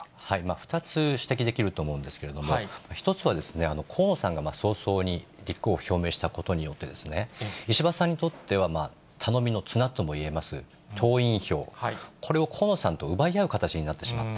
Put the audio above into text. ２つ指摘できると思うんですけれども、１つは河野さんが早々に立候補を表明したことによって、石破さんにとっては頼みの綱ともいえます党員票、これを河野さんと奪い合う形になってしまった。